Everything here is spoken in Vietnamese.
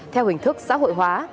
theo hình thức xã hội hóa